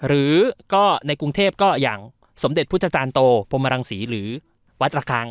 หรือก็ในกรุงเทพก็อย่างสมเด็จพุทธจารย์โตพรหมรังศรีหรือวัดระคัง